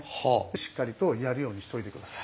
しっかりとやるようにしておいて下さい。